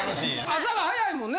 朝が早いもんね